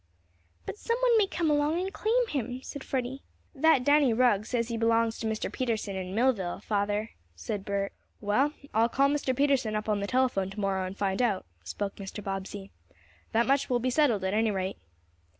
"But some one may come along and claim him," said Freddie. "That Danny Rugg says he belongs to Mr. Peterson in Millville, father," said Bert. "Well, I'll call Mr. Peterson up on the telephone tomorrow, and find out," spoke Mr. Bobbsey. "That much will be settled, at any rate."